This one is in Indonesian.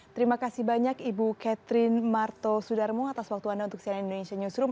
terima kasih banyak ibu catherine marto sudarmo atas waktu anda untuk cnn indonesia newsroom